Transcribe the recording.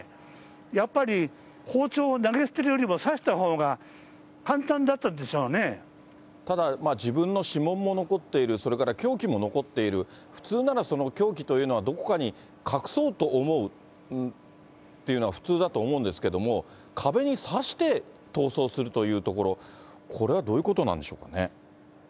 やっぱり包丁を投げ捨てるよりも、刺したほうが簡単だったんでしょただ、自分の指紋も残っている、それから凶器も残っている、普通なら、凶器というのはどこかに隠そうと思うっていうのが普通だと思うんですけども、壁に刺して逃走するというところ、これはどういうことなんでしょうかね。